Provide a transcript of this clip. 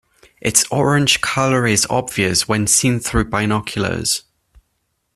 Its orange colour is obvious when seen through binoculars.